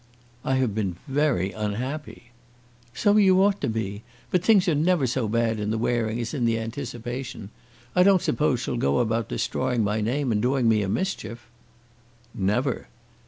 "I have been very unhappy." "So you ought to be. But things are never so bad in the wearing as in the anticipation. I don't suppose she'll go about destroying my name and doing me a mischief?" "Never."